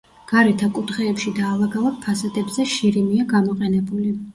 გარეთა კუთხეებში და ალაგ-ალაგ ფასადებზე შირიმია გამოყენებული.